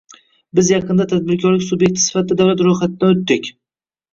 Biz yaqinda tadbirkorlik sub’ekti sifatida davlat ro‘yxatidan o‘tdik.